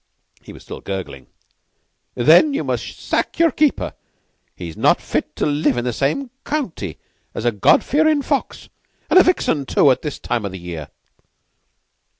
He was still gurgling. "Then you must sack your keeper. He's not fit to live in the same county with a God fearin' fox. An' a vixen, too at this time o' year!"